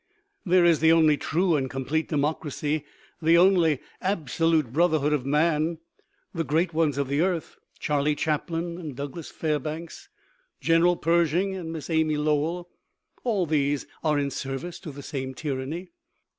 There is the only true and complete democracy, the only absolute brotherhood of man. The great ones of the earth Charley Chaplin and Douglas Fairbanks, General Pershing and Miss Amy Lowell all these are in service to the same tyranny.